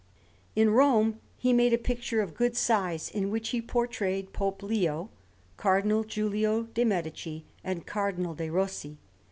In Rome he made a picture of good size, in which he portrayed Pope Leo, Cardinal Giulio de' Medici, and Cardinal de' Rossi.